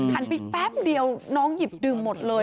ไปแป๊บเดียวน้องหยิบดื่มหมดเลย